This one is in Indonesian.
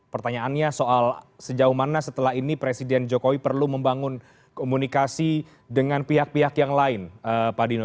pertanyaannya soal sejauh mana setelah ini presiden jokowi perlu membangun komunikasi dengan pihak pihak yang lain pak dino